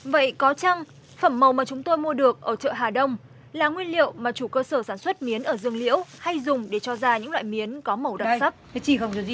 vậy có chăng phẩm màu mà chúng tôi mua được ở chợ hà đông là nguyên liệu mà chủ cơ sở sản xuất miến ở dương liễu hay dùng để cho ra những loại miến có màu đặc sắc